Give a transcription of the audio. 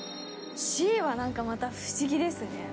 Ｃはなんかまた不思議ですね。